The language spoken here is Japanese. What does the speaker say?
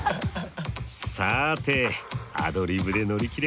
さてアドリブで乗り切れますか？